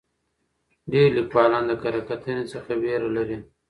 ډېر لیکوالان د کره کتنې څخه ویره لري.